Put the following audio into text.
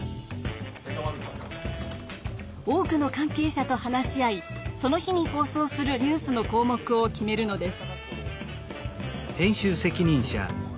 多くの関係者と話し合いその日に放送するニュースの項目を決めるのです。